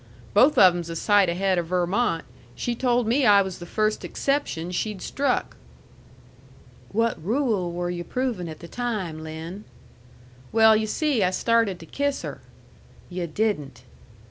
"Both of 'em's a sight ahead of Vermont. She told me I was the first exception she'd struck." "What rule were you provin' at the time, Lin?" "Well yu' see, I started to kiss her." "Yu' didn't!"